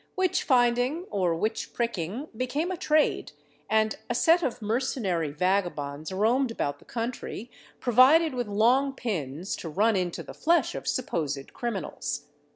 Witch finding, or witch pricking, became a trade, and a set of mercenary vagabonds roamed about the country provided with long pins to run into the flesh of supposed criminals.